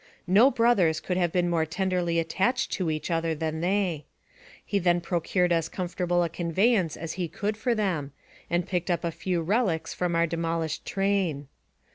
No brothers could have been more tenderly attached to each other than they. He then procured as comfortable a conveyance as he could for them, and picked up a few relics from our demolished train.